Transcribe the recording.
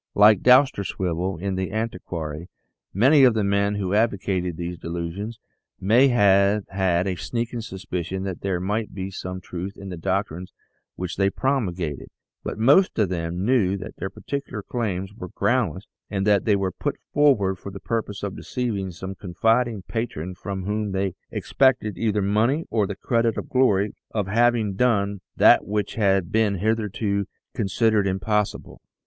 Like Dou sterswivel in "The Antiquary," many of the men who ad vocated these delusions may have had a sneaking suspicion that there might be some truth in the doctrines which they promulgated ; but most of them knew that their particular claims were groundless, and that they were put forward for the purpose of deceiving some confiding patron from whom 8 THE SEVEN FOLLIES OF SCIENCE they expected either money or the credit and glory of having done that which had been hitherto considered impossible.